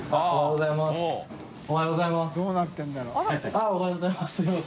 世蹐Αおはようございます。